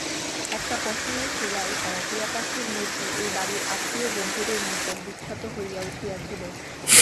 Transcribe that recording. একটা পশমের সেলাই করা টিয়াপাখির মূর্তি এই বাড়ির আত্মীয়বন্ধুদের নিকট বিখ্যাত হইয়া উঠিয়াছিল।